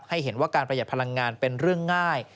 ให้เห็นว่าการประหยัดพลังงานเป็นเรื่องง่าย